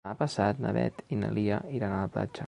Demà passat na Beth i na Lia iran a la platja.